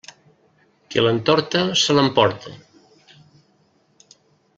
Qui l'entorta, se l'emporta.